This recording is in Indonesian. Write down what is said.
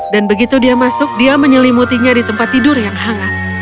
dan begitu dia masuk dia menyelimutinya di tempat tidur yang hangat